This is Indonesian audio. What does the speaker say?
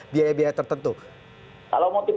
biaya biaya tertentu kalau motif